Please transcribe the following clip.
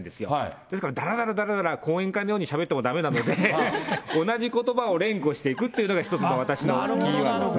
だからだらだらだらだら講演会のようにしゃべってもだめなので、同じことばを連呼していくというのが一つの私の。